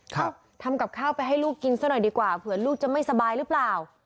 ทำกับข้าวไปให้ลูกกินซะหน่อยดีกว่าเผื่อลูกจะไม่สบายหรือเปล่า